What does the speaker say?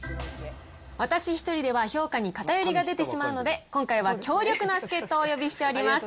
私１人では評価に偏りが出てしまうので、今回は強力な助っ人をお呼びしております。